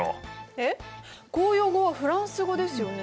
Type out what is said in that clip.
えっ公用語はフランス語ですよね。